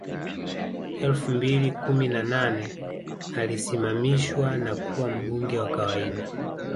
Elfu mbili kumi na nane alisimamishwa na kuwa mbunge wa kawaida